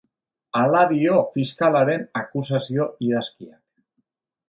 Hala dio fiskalaren akusazio-idazkiak.